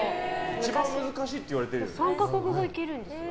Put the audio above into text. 一番難しいっていわれてるよね。